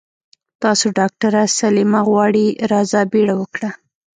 تاسو ډاکټره سليمه غواړي راځه بيړه وکړه.